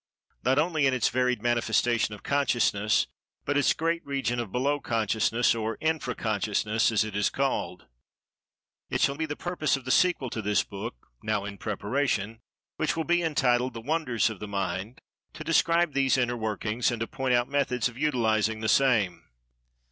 Not only in its varied manifestation of consciousness, but its great region of "below consciousness" or Infra Consciousness, as it is called. It shall be the purpose of the sequel to this book (now in preparation) which will be entitled "The Wonders of the Mind," to describe these inner workings, and to point out methods of utilizing the same.